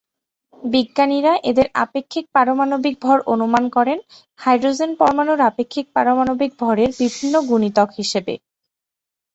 বিজ্ঞানীরা এদের আপেক্ষিক পারমাণবিক ভর অনুমান করেন হাইড্রোজেন পরমাণুর আপেক্ষিক পারমাণবিক ভরের বিভিন্ন গুণিতক হিসেবে।